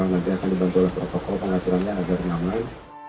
nanti akan dibantu oleh protokol pengaturannya agar aman